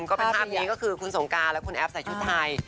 ก็เป็นภาพนี้ก็คือคุณสงการและคุณแอฟใส่ชุดไทย